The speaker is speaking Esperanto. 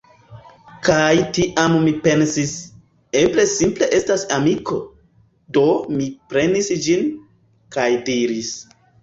Kaj tiam mi pensis: "Eble simple estas amiko?" do mi prenis ĝin, kaj diris: